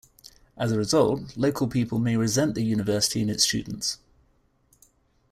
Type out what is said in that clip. As a result, local people may resent the university and its students.